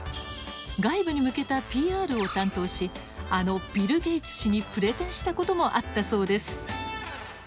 外部に向けたＰＲを担当しあのビル・ゲイツ氏にプレゼンしたこともあったそうです。